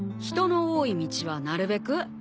人の多い道はなるべく。